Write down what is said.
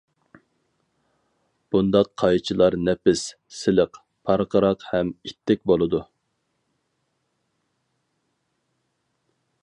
بۇنداق قايچىلار نەپىس، سىلىق، پارقىراق ھەم ئىتتىك بولىدۇ.